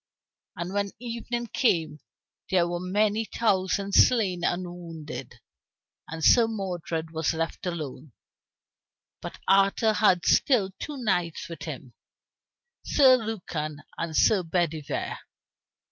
And when evening came there were many thousand slain and wounded, and Sir Modred was left alone. But Arthur had still two knights with him, Sir Lucan and Sir Bedivere.